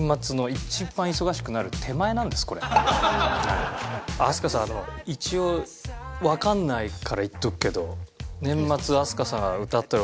まだ飛鳥さん一応わかんないから言っておくけど。